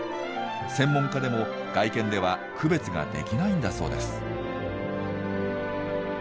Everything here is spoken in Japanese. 専門家でも外見では区別ができないんだそうです。